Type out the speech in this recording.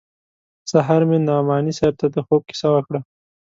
سهار مې نعماني صاحب ته د خوب کيسه وکړه.